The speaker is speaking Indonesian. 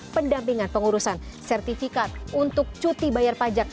pendampingan pengurusan sertifikat untuk cuti bayar pajak